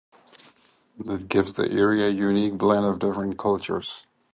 This gives the area a unique blend of different cultures.